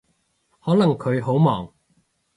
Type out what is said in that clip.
可能佢好忙